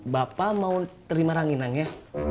bapak mau terima ranginang ya